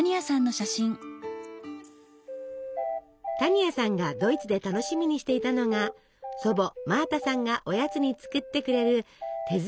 多仁亜さんがドイツで楽しみにしていたのが祖母マータさんがおやつに作ってくれる手作りのケーキでした。